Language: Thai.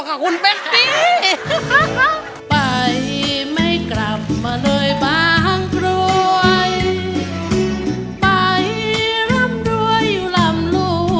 จุดขึ้น